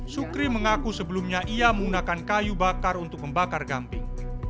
sukri mengaku sebelumnya ia menggunakan kayu bakar untuk membakar gamping